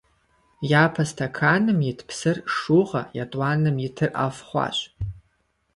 Япэ стэканым ит псыр шыугъэ, етӀуанэм итыр ӀэфӀ хъуащ.